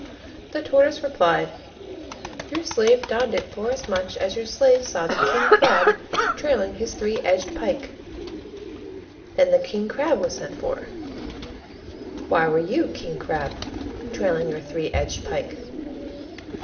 The Tortoise replied, "Your slave donned it forasmuch as your slave saw the King crab trailing his three edged pike." Then the King crab was sent for. "Why were you, King crab, trailing your three edged pike?"